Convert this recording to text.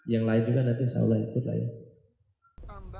yang lain juga nanti insya allah ikut lain